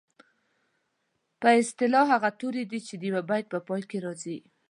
په اصطلاح هغه توري دي چې د یوه بیت په پای کې راځي.